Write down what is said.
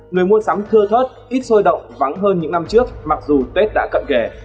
người mua sắm thưa thớt ít xôi động vắng hơn những năm trước mặc dù tết đã cận kể